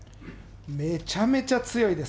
めちゃめちゃ強いです。